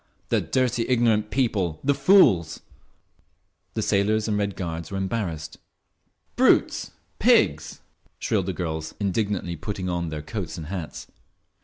The dirty, ignorant people! The fools!"… The sailors and Red Guards were embarrassed. "Brutes! Pigs!" shrilled the girls, indignantly putting on their coats and hats.